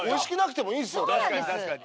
確かに確かに。